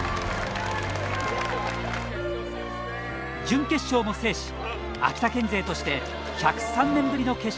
準決勝も制し秋田県勢として１０３年ぶりの決勝進出を果たします。